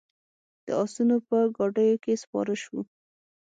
د آسونو په ګاډیو کې سپاره شوو.